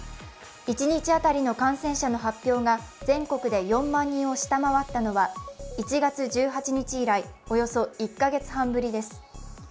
一日当たりの感染者の発表が全国で４万人を下回ったのは１月１８日以来、およそ１カ月半ぶりです。